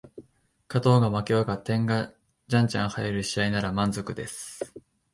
勝とうが負けようが点がじゃんじゃん入る試合なら満足です